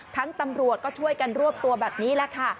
ตำรวจก็ช่วยกันรวบตัวแบบนี้แหละค่ะ